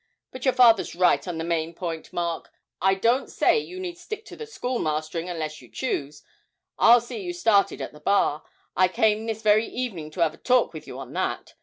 But your father's right on the main point, Mark. I don't say you need stick to the schoolmastering, unless you choose. I'll see you started at the Bar; I came this very evening to 'ave a talk with you on that.